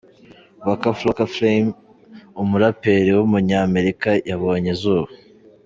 Waka Flocka Flame, umuraperi w’umunyamerika yabonye izuba.